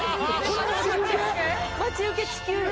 待ち受け地球です